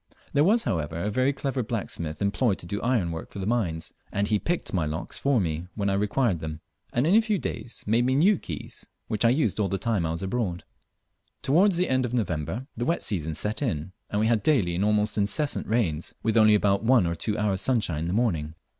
There was, however, a very clever blacksmith employed to do ironwork for the mines, and he picked my locks for me when I required them, and in a few days made me new keys, which I used all the time I was abroad. Towards the end of November the wet season set in, and we had daily and almost incessant rains, with only about one or two hours' sunshine in the morning.